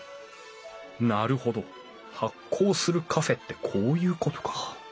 なるほど発酵するカフェってこういうことか。